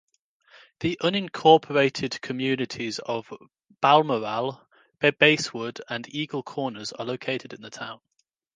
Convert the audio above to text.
The unincorporated communities of Balmoral, Basswood, and Eagle Corners are located in the town.